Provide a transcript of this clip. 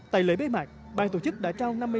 tại lễ bế mạc ban tổ chức đã trao